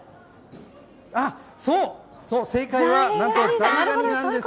そう、正解はなんとザリガニなんです。